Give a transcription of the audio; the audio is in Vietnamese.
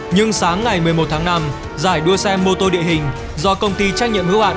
nhưng sáng ngày một mươi một tháng năm giải đua xe mô tô địa hình do công ty trách nhiệm hữu hạn